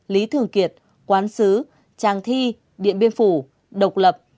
lý thường kiệt quán xứ trang thi điện biên phủ độc lập